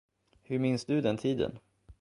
Hur minns du den tiden?